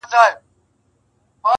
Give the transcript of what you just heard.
o د دې خلګو قریبان دي او دوستان دي,